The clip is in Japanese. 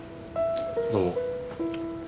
どうも。